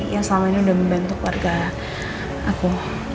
yang selama ini udah membantu keluarga aku